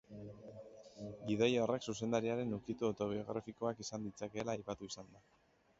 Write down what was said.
Gidoi horrek zuzendariaren ukitu autobiografikoak izan ditzakeela aipatu izan da.